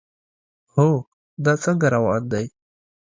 هو، دا څنګه روان دی؟